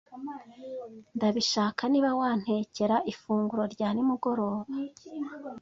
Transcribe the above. Ndabishaka niba wantekera ifunguro rya nimugoroba.